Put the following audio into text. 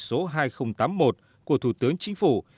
số hai nghìn tám mươi một của thủ tướng chính phủ